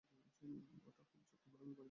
ওটা খুব যত্ন করে আমি বাড়িতে বসে তৈরি করেছিলাম।